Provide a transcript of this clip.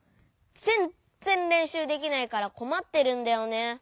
ぜんっぜんれんしゅうできないからこまってるんだよね。